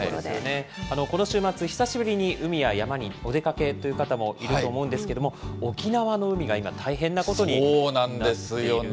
この週末、久しぶりに海や山にお出かけという方もいると思うんですけども、沖縄の海が今、大変なことになっているんですよね。